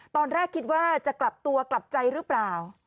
ตอนแรกคิดว่าจะกลับตัวกลับใจหรือเปล่า